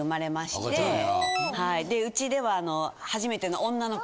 でうちでは初めての女の子。